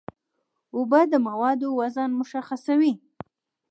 اوبه د موادو وزن مشخصوي.